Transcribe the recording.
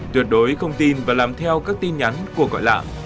tuyệt đối không tin và làm theo các tin nhắn của gọi lạ